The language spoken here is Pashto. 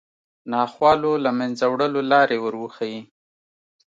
ناخوالو له منځه وړلو لارې وروښيي